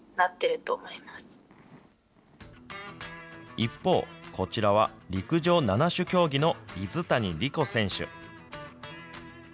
一方、こちらは陸上７種競技の泉谷莉子選手。